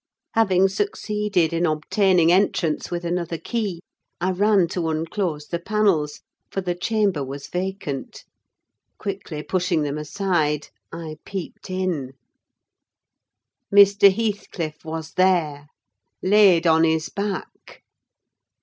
Having succeeded in obtaining entrance with another key, I ran to unclose the panels, for the chamber was vacant; quickly pushing them aside, I peeped in. Mr. Heathcliff was there—laid on his back.